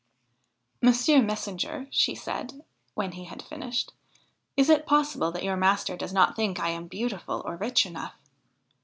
' Mr. Messenger,' she said when he had finished, ' is it possible that your master does not think I am beautiful or rich enough?